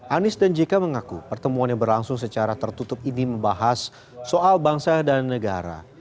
anies dan jk mengaku pertemuan yang berlangsung secara tertutup ini membahas soal bangsa dan negara